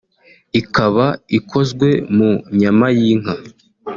ikaba ikozwe mu nyama y’inka